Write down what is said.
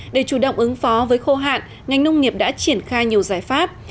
để chủ động ứng phó với khô hạn ngành nông nghiệp đã triển khai nhiều giải pháp